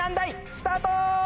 スタート！